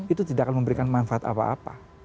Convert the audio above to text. itu tidak akan memberikan manfaat apa apa